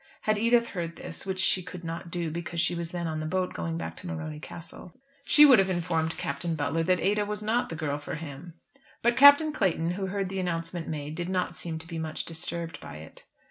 Had Edith heard this, which she could not do, because she was then on the boat going back to Morony Castle, she would have informed Captain Butler that Ada was not the girl for him; but Captain Clayton, who heard the announcement made, did not seem to be much disturbed by it.